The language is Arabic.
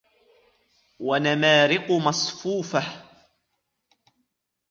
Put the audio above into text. ونمارق مصفوفة